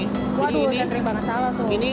waduh terkering banget salah tuh